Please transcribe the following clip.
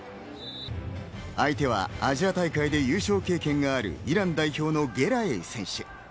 相手はアジア大会で優勝経験のあるイラン代表のゲラエイ選手。